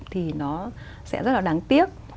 thì nó sẽ rất là đáng tiếc